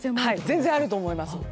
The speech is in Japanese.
全然あると思います。